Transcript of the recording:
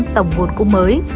tám mươi tổng nguồn cung mới